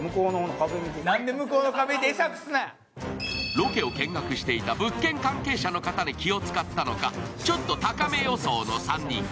ロケを見学していた物件関係者の方に気を遣ったのかちょっと高め予想の３人。